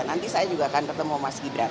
nanti saya juga akan ketemu mas gibran